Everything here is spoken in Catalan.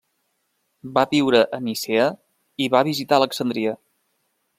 Va viure a Nicea i va visitar Alexandria.